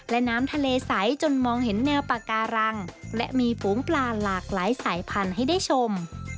และน้ำทะเลใสจนมองเห็นแนวปาการังและมีฝูงปลาหลากหลายสายพันธุ์ให้ได้ชม